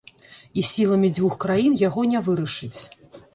І сіламі дзвюх краін яго не вырашыць.